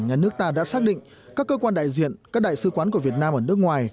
nhà nước ta đã xác định các cơ quan đại diện các đại sứ quán của việt nam ở nước ngoài